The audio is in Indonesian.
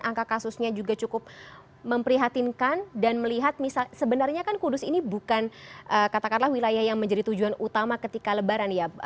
angka kasusnya juga cukup memprihatinkan dan melihat sebenarnya kan kudus ini bukan katakanlah wilayah yang menjadi tujuan utama ketika lebaran ya